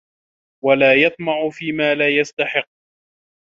وَلَا يَطْمَعَ فِيمَا لَا يَسْتَحِقُّ